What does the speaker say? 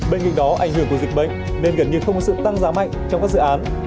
bên cạnh đó ảnh hưởng của dịch bệnh nên gần như không có sự tăng giá mạnh trong các dự án